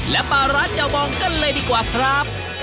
และปลาร้าเจ้าบองกันเลยดีกว่าครับ